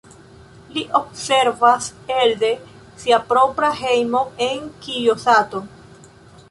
Li observas elde sia propra hejmo en Kijosato.